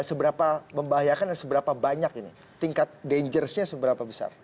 seberapa membahayakan dan seberapa banyak ini tingkat dangersnya seberapa besar